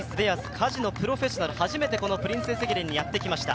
火事のプロフェッショナル、初めて、このプリンセス駅伝にやってきました。